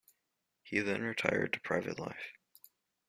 He then retired to private life.